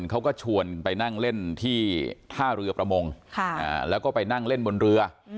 เขาก็ชวนไปนั่งเล่นที่ท่าเรือประมงแล้วก็ไปนั่งเล่นบนเรือ